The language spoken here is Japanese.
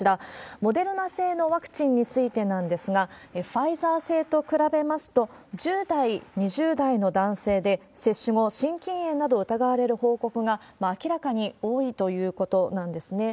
モデルナ製のワクチンについてなんですが、ファイザー製と比べますと、１０代、２０代の男性で接種後、心筋炎などを疑われる報告が明らかに多いということなんですね。